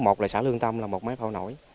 một là xã lương tâm là một máy phao nổi